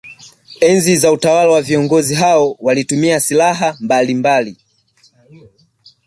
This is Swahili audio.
Enzi za utawala wa viongozi hao walitumia silaha mbalimbali